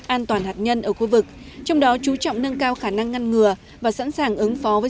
an toàn hạt nhân ở khu vực trong đó chú trọng nâng cao khả năng ngăn ngừa và sẵn sàng ứng phó với